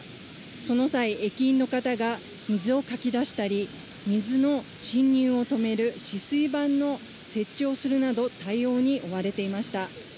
その際、駅員の方が水をかき出したり、水の侵入を止める止水板の設置をするなど、対応に追われていました。